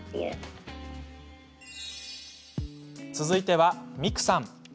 続いては、みくさん。